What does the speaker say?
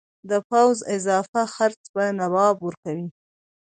د پوځ اضافه خرڅ به نواب ورکوي.